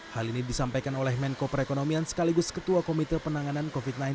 hal ini disampaikan oleh menko perekonomian sekaligus ketua komite penanganan covid sembilan belas